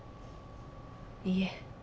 いいえ。